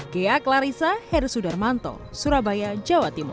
gaya clarissa herusudar manto surabaya jawa timur